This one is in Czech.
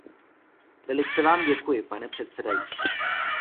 Velice vám děkuji, pane předsedající.